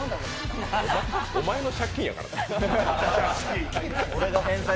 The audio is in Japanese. お前の借金やからな。